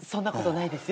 ないです？